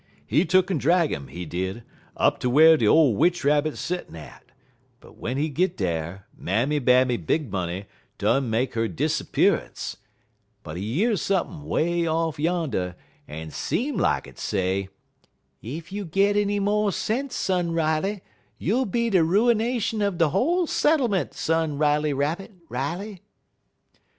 He tuck'n drag 'im, he did, up ter whar de ole Witch Rabbit settin' at; but w'en he git dar, Mammy Bammy Big Money done make 'er disappearance, but he year sump'n' way off yander, en seem lak it say: "'Ef you git any mo' sense, Son Riley, you'll be de ruination ev de whole settlement, Son Riley Rabbit, Riley.'